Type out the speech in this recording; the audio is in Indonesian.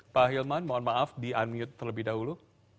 pak hilman mohon maaf di unmute terlebih dahulu